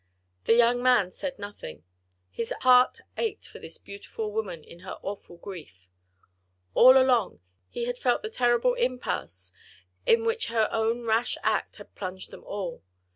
The young man said nothing; his heart ached for this beautiful woman in her awful grief. All along he had felt the terrible impasse in which her own rash act had plunged them all.